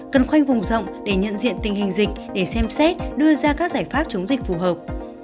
cần khoanh vùng rộng để nhận diện tình hình dịch để xem xét đưa ra các giải pháp chống dịch phù hợp